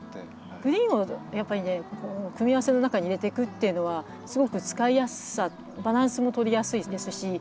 グリーンをやっぱり組み合わせの中に入れていくっていうのはすごく使いやすさバランスも取りやすいですし。